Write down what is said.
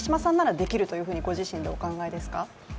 できるとご自身でお考えですか？